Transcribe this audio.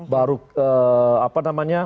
baru apa namanya